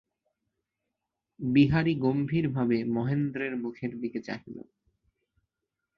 বিহারী গম্ভীরভাবে মহেন্দ্রের মুখের দিকে চাহিল।